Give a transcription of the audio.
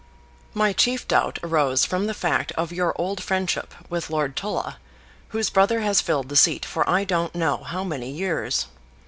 My chief doubt arose from the fact of your old friendship with Lord Tulla, whose brother has filled the seat for I don't know how many years.